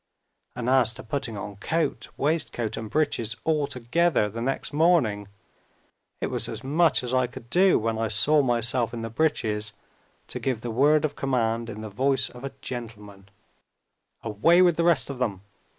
And as to putting on coat, waistcoat, and breeches, all together, the next morning it was as much as I could do, when I saw myself in my breeches, to give the word of command in the voice of a gentleman 'Away with the rest of them!